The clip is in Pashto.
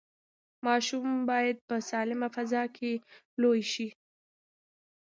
ماشومان باید په سالمه فضا کې لوی شي.